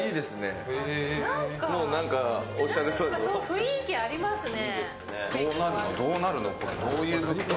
雰囲気ありますね。